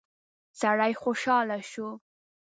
سړی خوشاله شو.